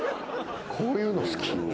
こういうの好き？